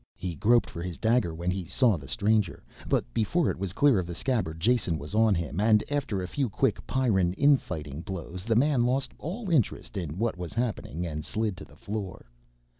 He groped for his dagger when he saw the stranger, but before it was clear of the scabbard Jason was on him and after a few quick Pyrran infighting blows the man lost all interest in what was happening and slid to the floor.